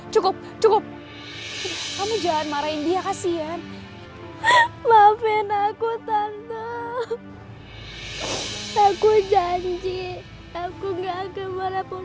cukup cukup kamu jangan marahin dia kasihan maafin aku tante aku janji aku enggak kemanapun